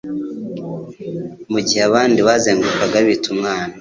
Mu gihe abandi bazengurukaga bita umwana,